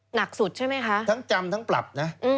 หนักสุดใช่ไหมคะทั้งจำทั้งปรับนะ